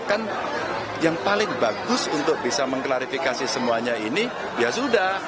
kan yang paling bagus untuk bisa mengklarifikasi semuanya ini ya sudah